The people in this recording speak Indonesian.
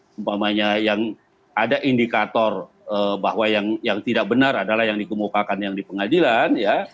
sempamanya yang ada indikator bahwa yang tidak benar adalah yang dikemukakan yang di pengadilan ya